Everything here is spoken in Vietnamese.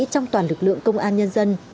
trong toàn lực lượng công an nhân dân